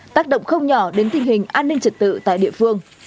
tác động không nhỏ đến tình hình an ninh trật tự